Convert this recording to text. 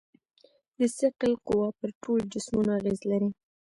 د ثقل قوه پر ټولو جسمونو اغېز لري.